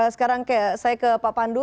sekarang saya ke pak pandu